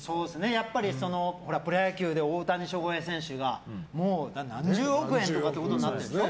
やっぱりプロ野球で大谷翔平選手がもう何十億円となってるでしょ。